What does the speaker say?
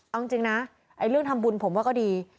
เอาจริงนะเรื่องทำบุญผมว่าก็ดี